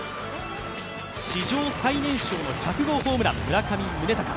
史上最年少の１００号ホームラン、村上宗隆。